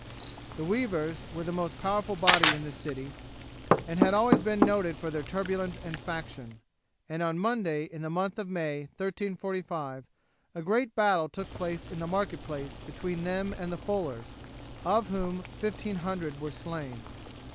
The weavers were the most powerful body in this city, and had always been noted for their turbulence and faction; and on a Monday in the month of May, 1345, a great battle took place in the market place between them and the fullers, of whom 1500 were slain.